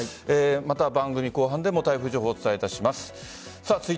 また番組後半でも台風情報をお伝えします。